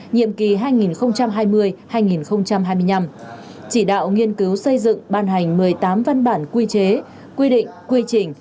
nhiệm kỳ hai nghìn hai mươi hai nghìn hai mươi năm chỉ đạo nghiên cứu xây dựng ban hành một mươi tám văn bản quy chế quy định quy trình